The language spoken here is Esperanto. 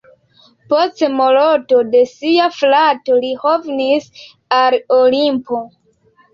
Post morto de sia frato li revenis al Olimpo.